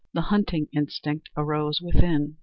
The hunting instinct arose within.